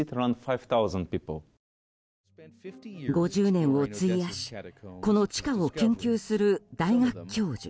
５０年を費やしこの地下を研究する大学教授。